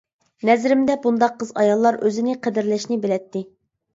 نەزىرىمدە بۇنداق قىز-ئاياللار ئۆزىنى قەدىرلەشنى بىلەتتى.